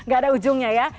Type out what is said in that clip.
gak ada ujungnya ya